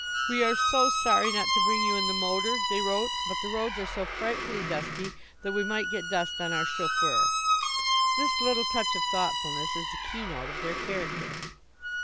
"We are so sorry not to bring you in the motor," they wrote, "but the roads are so frightfully dusty that we might get dust on our chauffeur." This little touch of thoughtfulness is the keynote of their character.